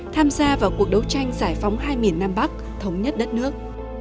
tham gia vào cuộc đấu tranh giải phóng hai miền nam bắc thống nhất đất nước